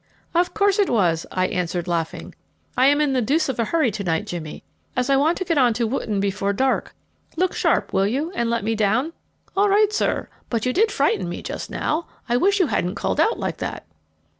"Of course it was," I answered, laughing. "I'm in the deuce of a hurry to night, Jimmy, as I want to get on to Wotton before dark. Look sharp, will you, and let me down." "All right, sir but you did frighten me just now. I wish you hadn't called out like that!"